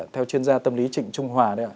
theo chuyên gia tâm lý trịnh trung hòa